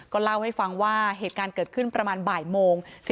เล่าให้ฟังว่าเหตุการณ์เกิดขึ้นประมาณบ่ายโมง